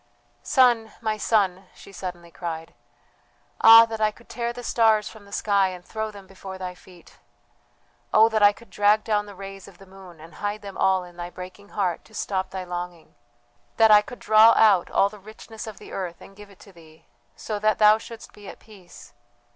"Son, my son!" she suddenly cried, "ah that I could tear the stars from the sky and throw them before thy feet! Oh that I could drag down the rays of the moon and hide them all in thy breaking heart to stop thy longing! that I could draw out all the richness of the earth and give it to thee, so that thou shouldst be at peace!